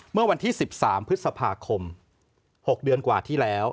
เมื่อวันที่๑๓พฤษภาคม๖เดือนกว่าที่แล้ว